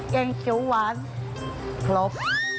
แกงเขียวหวานครบ